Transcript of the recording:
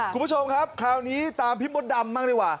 คุณผู้ชมครับคราวนี้ตามพี่มดดำบ้างดีกว่า